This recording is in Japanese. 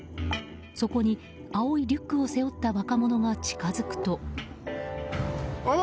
そこに、青いリュックを背負った若者が近づくと。